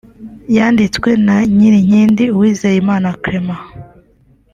yanditswe na Nyirinkindi Uwezeyimana Clement